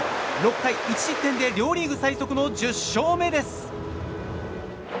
６回１失点で両リーグ最速の１０勝目です。